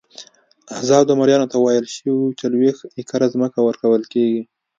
ازادو مریانو ته ویل شوي وو چې څلوېښت ایکره ځمکه ورکول کېږي.